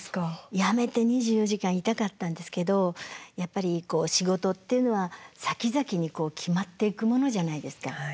やめて２４時間いたかったんですけどやっぱり仕事っていうのはさきざきに決まっていくものじゃないですか。